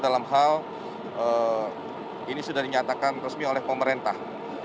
dalam hal ini sudah dinyatakan resmi oleh pemerintah